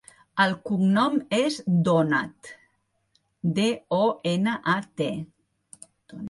El cognom és Donat: de, o, ena, a, te.